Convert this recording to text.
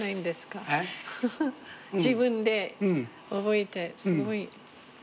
自分で覚えてすごい。